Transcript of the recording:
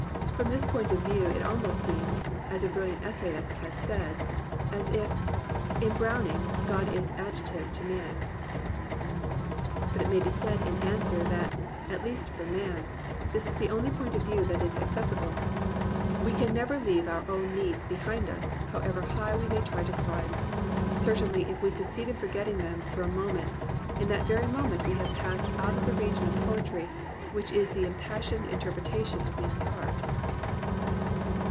From this point of view it almost seems, as a brilliant essayist has said, as if "In Browning, God is adjective to man." * But it may be said in answer, that, at least for man, this is the only point of view that is accessible. * J. J. Chapman, Emerson, and Other Essays. 277 COMPANIONABLE BOOKS We can never leave our own needs behind us, how ever high we may try to climb. Certainly if we succeed in forgetting them for a moment, in that very moment we have passed out of the region of poetry, which is the impassioned interpretation of man's heart.